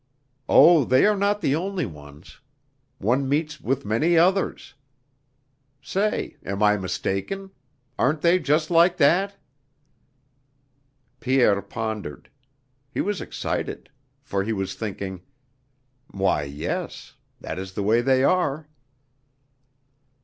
Oh, they are not the only ones! One meets with many others!... Say, am I mistaken? Aren't they just like that?" Pierre pondered. He was excited. For he was thinking: "Why, yes. That is the way they are...."